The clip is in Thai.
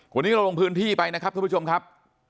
วันนี้เราลงพื้นที่ไปนะครับท่านผู้ชมครับ